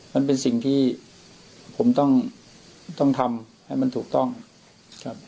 มันเป็นสิ่งที่ผมต้องทำให้มันถูกต้องครับ